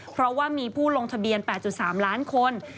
เพราะว่ามีผู้ลงทะเบียน๘๓ล้านคน